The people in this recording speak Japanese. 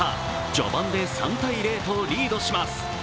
序盤で３−０とリードします。